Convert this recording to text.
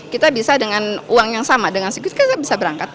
kita bisa dengan uang yang sama dengan secur kita bisa berangkat